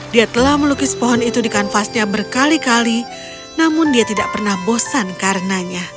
dia telah melukis pohon itu di kanvasnya berkali kali namun dia tidak pernah bosan karenanya